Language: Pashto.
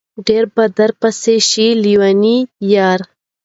ډېر به درپسې شي لېوني ياره